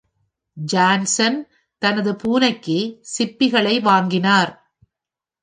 Johnson தனது பூனைக்கு சிப்பிகளை வாங்கினார்.